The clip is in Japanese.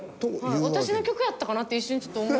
私の曲やったかな？って一瞬ちょっと思う。